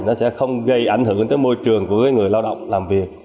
nó sẽ không gây ảnh hưởng tới môi trường của người lao động làm việc